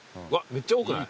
めっちゃ多くない？